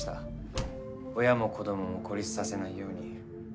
親も子どもも孤立させないように。